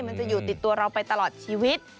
มันจะอยู่ติดตัวเราไปตลอดชีวิต